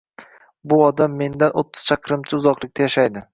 Bu odam mendan oʻttiz chaqirimcha uzoqlikda yashaydi